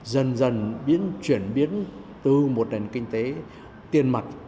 dần dần biến chuyển biến từ một nền kinh tế tiền mặt